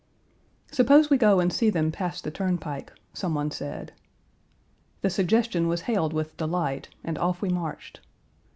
"Suppose we go and see them pass the turnpike," some one said. The suggestion was hailed with delight, and off we marched.